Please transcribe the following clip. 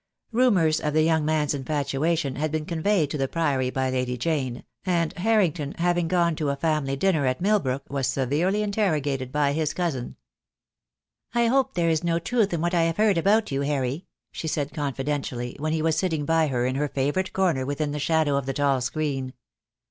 Rumours of the young man's infatuation had been con veyed to the Priory by Lady Jane, and Harrington having gone to a family dinner at Milbrook was severely inter rogated by his cousin. "I hope there is no truth in what I have heard about you, Harry," she said confidentially, when he was sitting by her in her favourite corner within the shadow of the tall screen.